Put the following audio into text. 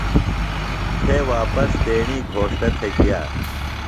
تھےۡ واپس تیݨی گھوݜٹہ تھےۡ گِیہ ۔